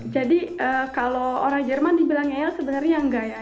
jadi kalau orang jerman dibilang ngeyel sebenarnya enggak ya